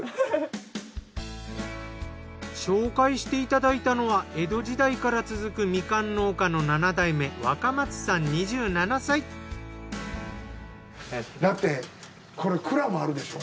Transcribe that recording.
紹介していただいたのは江戸時代から続くみかん農家の７代目だってこれ蔵もあるでしょ。